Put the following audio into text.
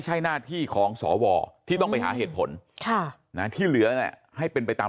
ใช่หน้าที่ของสวที่ต้องไปหาเหตุผลที่เหลือให้เป็นไปตาม